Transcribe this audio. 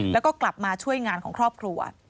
แล้วก็กลับมาช่วยงานของครอบครัว